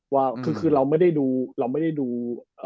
ว่าคือเราไม่ได้ดู